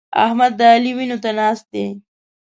احمد د علي وينو ته ناست دی.